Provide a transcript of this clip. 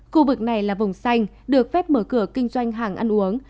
khu vực này là vùng xanh được phép mở cửa kinh doanh hàng ăn uống